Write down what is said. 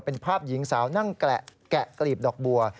เป็นภาพหญิงสาวนั่งแกะกลีบดอกบัว